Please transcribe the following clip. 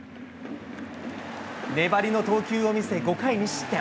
粘りの投球を見せ、５回２失点。